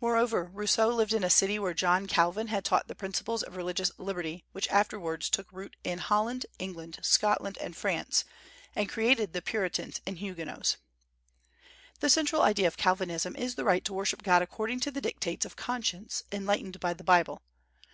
Moreover, Rousseau lived in a city where John Calvin had taught the principles of religious liberty which afterwards took root in Holland, England, Scotland, and France, and created the Puritans and Huguenots. The central idea of Calvinism is the right to worship God according to the dictates of conscience, enlightened by the Bible.